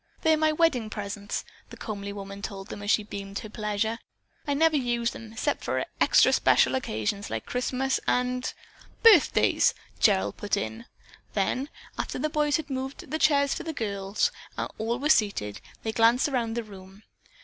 "They're my wedding presents," the comely woman told them as she beamed her pleasure. "I never use them except for extra occasions like Christmas and " "Birthdays," Gerald put in. Then, after the boys had moved the chairs out for the girls and all were seated, they glanced about the room.